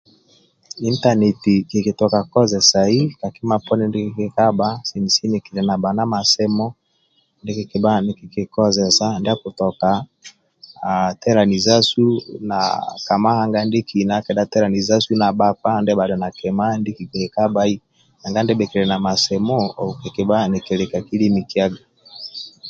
Intaneti kiki toka kozesai ka kima poni ndibhikikabhaga nikikozesa ndi bhi tillolvhkl